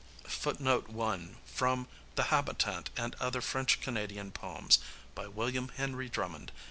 [Footnote 1: From "The Habitant and Other French Canadian Poems," by William Henry Drummond.